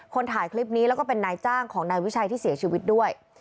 ถ่ายคลิปนี้แล้วก็เป็นนายจ้างของนายวิชัยที่เสียชีวิตด้วย